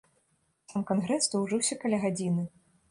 Сам кангрэс доўжыўся каля гадзіны.